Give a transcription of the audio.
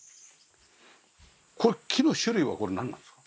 これ木の種類はなんなんですか？